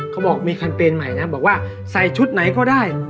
เขาบอกมีแคมเปญใหม่นะบอกว่าใส่ชุดไหนก็ได้